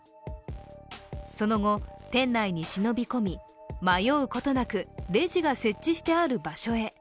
その後、店内に忍び込み迷うことなくレジが設置してある場所へ。